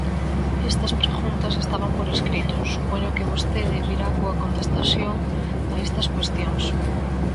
Estas preguntas estaban por escrito, supoño que vostede virá coa contestación a estas cuestións.